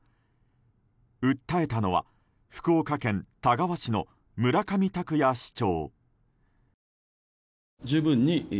訴えたのは福岡県田川市の村上卓哉市長。